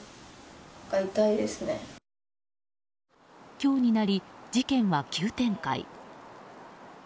今日になり、事件は急展開。